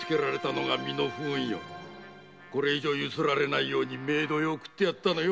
これ以上ユスられねえように冥途へ送ってやったのよ。